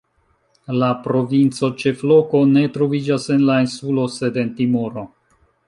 La provinca ĉefloko ne troviĝas en la insulo sed en Timoro.